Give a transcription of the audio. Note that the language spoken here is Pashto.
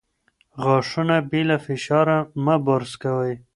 غاښونه بې له فشار مه برس کوئ.